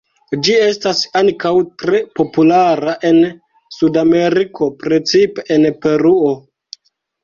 Ĝi estas ankaŭ tre populara en Sudameriko, precipe en Peruo.